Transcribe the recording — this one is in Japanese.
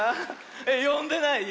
えっよんでない？